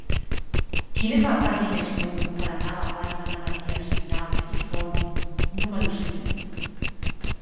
Quin és el camí més curt per anar a la plaça de Maria Espinalt i Font número cinc?